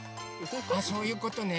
あそういうことね。